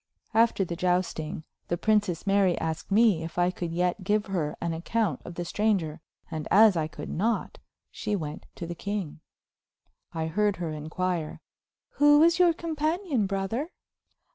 After the jousting the Princess Mary asked me if I could yet give her an account of the stranger; and as I could not, she went to the king. I heard her inquire: "Who was your companion, brother?"